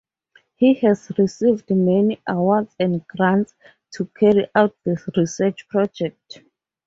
He has received many Awards and Grants to carry out the Research Projects.